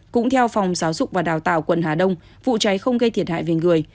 cũng theo phòng giáo dục và đào tạo quận hà đông vụ cháy không gây thiệt hại về người